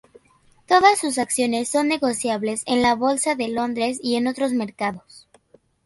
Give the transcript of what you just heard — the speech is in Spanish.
Todas sus acciones son negociables en la Bolsa de Londres y en otros mercados.